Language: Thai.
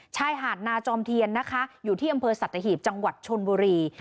ชายหาดนาจอมเทียนนะคะอยู่ที่อำเภอสัตหีบจังหวัดชนบุรี